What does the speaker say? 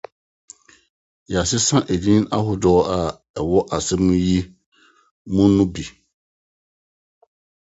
Yɛasesa edin horow a ɛwɔ asɛm yi mu no bi.